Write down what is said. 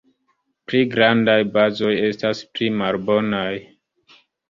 Pli grandaj bazoj estas pli malbonaj.